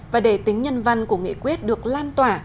và để tính nhân văn của nghị quyết được lan tỏa